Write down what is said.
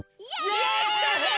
やった！